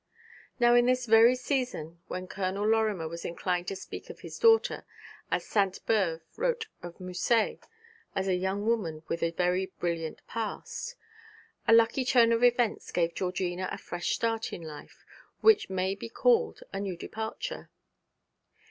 Now in this very season, when Colonel Lorimer was inclined to speak of his daughter, as Sainte Beuve wrote of Musset, as a young woman with a very brilliant past, a lucky turn of events gave Georgina a fresh start in life, which may be called a new departure.